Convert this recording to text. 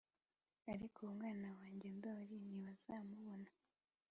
“ariko umwana wanjye ndoli ntibazamubona